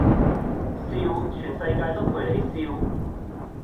笑，全世界都陪你笑